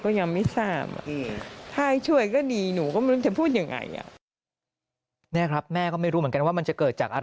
เขายังเล็กมาก